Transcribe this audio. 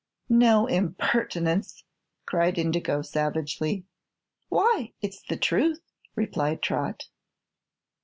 "No impertinence!" cried Indigo, savagely. "Why, it's the truth," replied Trot.